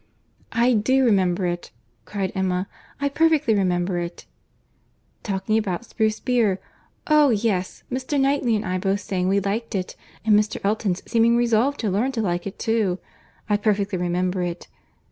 "I do remember it," cried Emma; "I perfectly remember it.—Talking about spruce beer.—Oh! yes—Mr. Knightley and I both saying we liked it, and Mr. Elton's seeming resolved to learn to like it too. I perfectly remember it.